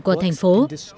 của thành phố